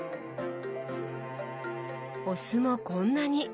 お酢もこんなに！